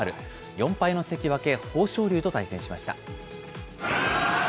４敗の関脇・豊昇龍と対戦しました。